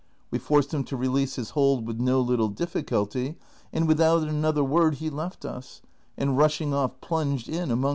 We forced him to release his hold with no little difficulty, and without another Avord he left us, and rushing off plunged in among CHAPTER XXI 1 1.